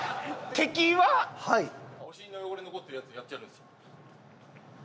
お尻の汚れ残ってるヤツにやってやるんですよ。